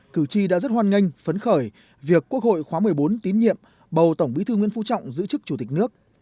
cử tri đã rất hoan nghênh phấn khởi việc quốc hội khóa một mươi bốn tín nhiệm bầu tổng bí thư nguyễn phú trọng giữ chức chủ tịch nước